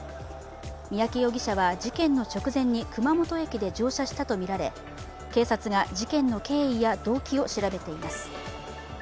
三宅容疑者は事件の直前に熊本駅で乗車したとみられ警察が事件の経緯や動機を調べています。